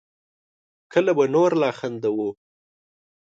کله به نور لا خندوو